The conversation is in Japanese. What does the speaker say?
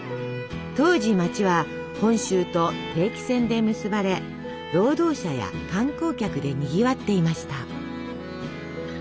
当時街は本州と定期船で結ばれ労働者や観光客でにぎわっていました。